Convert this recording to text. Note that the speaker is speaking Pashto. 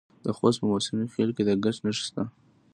د خوست په موسی خیل کې د ګچ نښې شته.